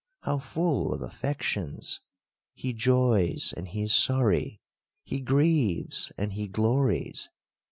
How full of affections ! He joys, and he is sorry; he grieves, and he glories!